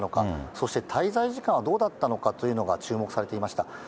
そして滞在時間はどうだったのかというのが注目されていました。